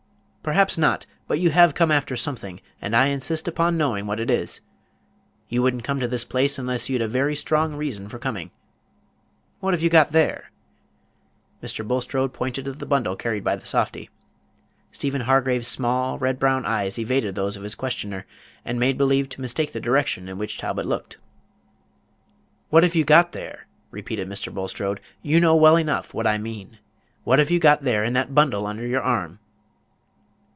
"Perhaps not; but you have come after something, and I insist upon knowing what it is. You would n't come to this place unless you'd a very strong reason for coming. What have you got there?" Mr. Bulstrode pointed to the bundle carried by the softy. Stephen Hargraves' small, red brown eyes evaded those of his questioner, and made believe to mistake the direction in which Talbot looked. "What have you got there?" repeated Mr. Bulstrode; "you know well enough what I mean. What have you got there, in that bundle under your arm?"